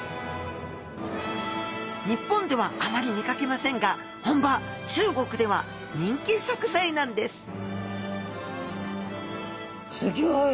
日本ではあまり見かけませんが本場中国では人気食材なんですすギョい。